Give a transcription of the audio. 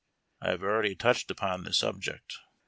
I have already tond^d upon this subject.